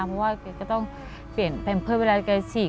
เพราะว่าเขาก็ต้องเปลี่ยนเพื่อนเพื่อเวลาเขาฉีก